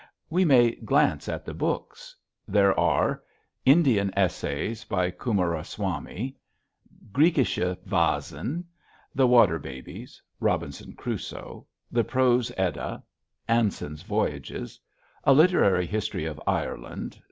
We may glance at the books. There are: "Indian Essays." Coomaraswamy "Griechische Vasen" "The Water Babies" "Robinson Crusoe" "The Prose Edda" "Anson's Voyages" "A Literary History of Ireland."